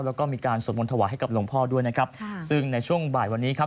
แล้วก็มีการสวดมนต์ถวายให้กับหลวงพ่อด้วยนะครับค่ะซึ่งในช่วงบ่ายวันนี้ครับ